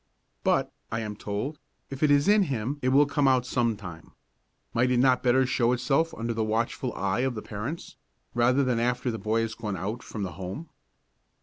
"But," I am told, "if it is in him it will come out sometime. Might it not better show itself under the watchful eye of the parents, rather than after the boy has gone out from the home?"